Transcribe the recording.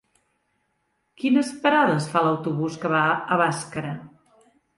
Quines parades fa l'autobús que va a Bàscara?